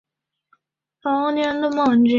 佐佐木主浩成为棒球评述。